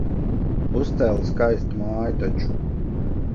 Uzcēla skaistu māju taču.